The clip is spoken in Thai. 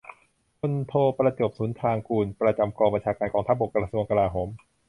พลโท ประจวบ สุนทรางกูร ประจำกองบัญชาการกองทัพบก กระทรวงกลาโหม